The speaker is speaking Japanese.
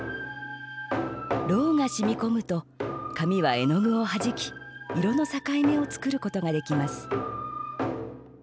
蝋が染み込むと紙は絵の具を弾き色の境目を作ることができます。